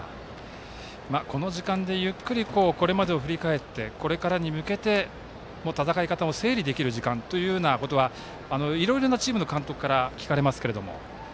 この時間でゆっくり、これまでを振り返ってこれからに向けて戦い方を整理できる時間ということはいろいろなチームの監督からも聞かれますけど。